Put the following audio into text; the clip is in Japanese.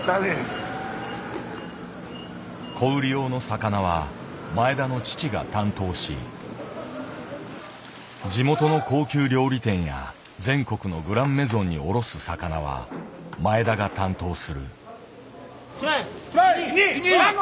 小売り用の魚は前田の父が担当し地元の高級料理店や全国のグランメゾンに卸す魚は前田が担当する。